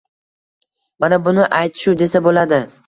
Mana buni aytishuv desa buladi